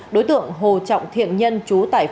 đối tượng hồ trọng thiện nhân trú tại phòng